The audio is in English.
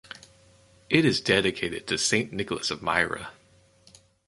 It is dedicated to Saint Nicholas of Myra.